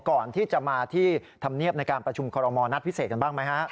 ก่อนที่จะมาที่ธรรมเนียบในการประชุมคอรมอลนัดพิเศษกันบ้างไหมฮะ